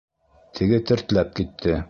Теге тертләп китте.